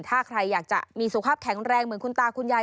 ถ้าใครอยากจะมีสุขภาพแข็งแรงเหมือนคุณตาคุณยาย